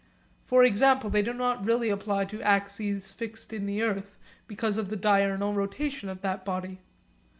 For example they do not really apply to axes fixed in the earth because of the diurnal rotation of that body.